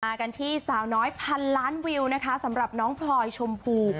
กันที่สาวน้อยพันล้านวิวนะคะสำหรับน้องพลอยชมพู